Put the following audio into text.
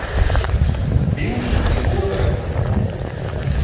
Vius i cua dreta!